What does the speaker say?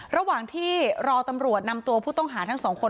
ระหว่างที่รอตำรวจนำตัวผู้ต้องหาทั้งสองคน